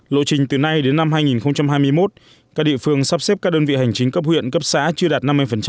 lộ trình từ nay đến năm hai nghìn hai mươi một các địa phương sắp xếp các đơn vị hành chính cấp huyện cấp xã chưa đạt năm mươi